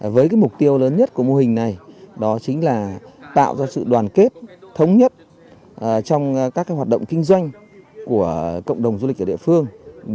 với mục tiêu lớn nhất của mô hình này đó chính là tạo ra sự đoàn kết thống nhất trong các hoạt động kinh doanh của cộng đồng du lịch ở địa phương